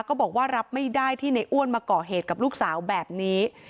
ก็บอกว่ารับไม่ได้ที่ในอ้วนมาก่อเหตุกับลูกสาวแบบนี้